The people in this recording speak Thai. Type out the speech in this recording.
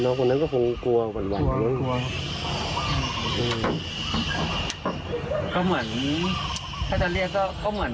ยังไม่ทันจังหวัดได้แทงได้อะไร